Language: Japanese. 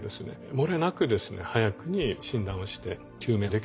もれなくですね早くに診断をして救命できるようにする。